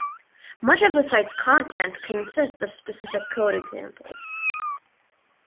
Much of the site's content consists of specific code examples.